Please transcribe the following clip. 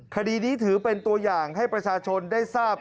คดีนี้ถือเป็นตัวอย่างให้ประชาชนได้ทราบ